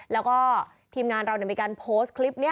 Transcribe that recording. แล้วก็ทีมงานเรามีการโพสต์คลิปนี้